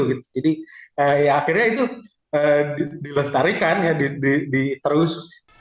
jadi ya akhirnya itu dilestarikan ya diterus